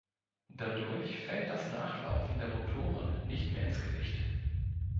Dadurch fällt das Nachlaufen der Motoren nicht mehr ins Gewicht.